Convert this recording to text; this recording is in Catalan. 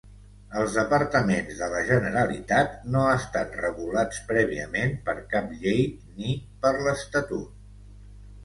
Els departaments de la Generalitat no estan regulats prèviament per cap llei ni per l'Estatut.